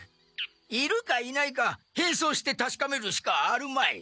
いるかいないか変装してたしかめるしかあるまい。